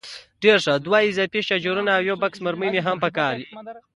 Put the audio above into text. ډېر ښه، دوه اضافي شاجورونه او یو بکس مرمۍ مې هم په کار دي.